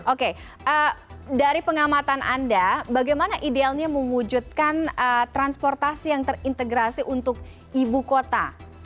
oke dari pengamatan anda bagaimana idealnya mewujudkan transportasi yang terintegrasi untuk ibu kota